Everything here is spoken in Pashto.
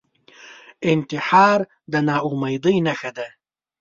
انتحار د ناامیدۍ نښه ده